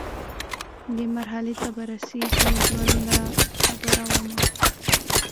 دې مرحلې ته به رسیږي ژوند، خبره ومه